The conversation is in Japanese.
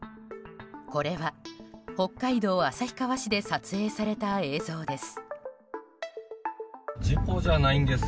これは北海道旭川市で撮影された映像です。